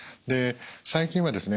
最近はですね